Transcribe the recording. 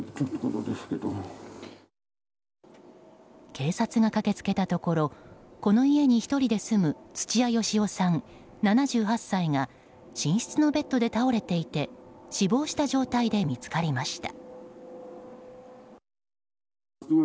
警察が駆けつけたところこの家に１人で住む土屋好夫さん、７８歳が寝室のベッドで倒れていて死亡した状態で見つかりました。